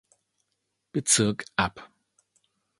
Bezirk ab.